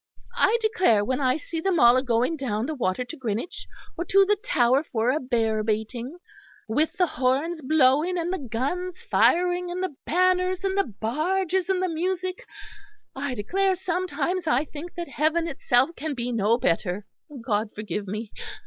I declare when I see them all a going down the water to Greenwich, or to the Tower for a bear baiting, with the horns blowing and the guns firing and the banners and the barges and the music, I declare sometimes I think that heaven itself can be no better, God forgive me!